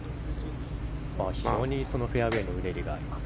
非常にフェアウェーのうねりがあります。